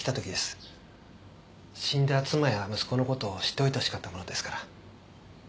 死んだ妻や息子の事を知っておいてほしかったものですから。